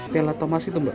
kelat thomas itu mbak